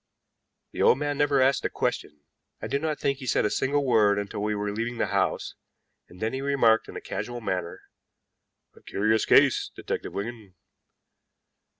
The old man never asked a question; I do not think he said a single word until we were leaving the house, and then he remarked in a casual manner: "A curious case, Detective Wigan."